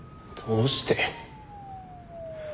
どうして？